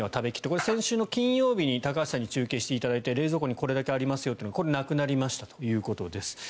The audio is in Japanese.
これ、先週の金曜日に高橋さんに中継していただいて冷蔵庫にこれだけありますよというのがこれがなくなりましたということです。